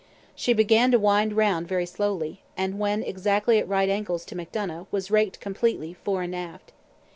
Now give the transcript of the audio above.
She began to wind round very slowly; and, when exactly at right angles to Macdonough, was raked completely, fore and aft.